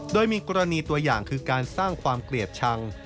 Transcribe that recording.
โดยมีกรณีตัวอย่างคือการสร้างความเกลียดชัง